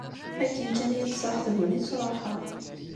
Akken kan i iyi-d-tṣaḥ tegnit, ṛuḥeɣ.